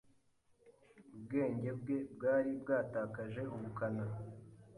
Ubwenge bwe bwari bwatakaje ubukana.